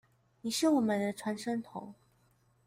你是我們的傳聲筒